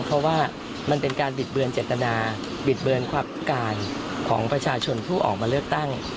เพราะว่ามันเป็นการบิดเบือนเจตนาบิดเบือนความการของประชาชนผู้ออกมาเลือกตั้ง